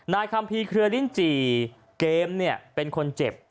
คัมภีร์เครือลิ้นจี่เกมเนี่ยเป็นคนเจ็บ